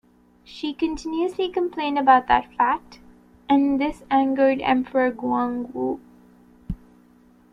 She continuously complained about that fact, and this angered Emperor Guangwu.